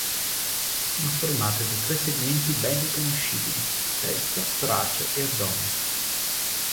Sono formate da tre segmenti ben riconoscibili: testa, torace e addome.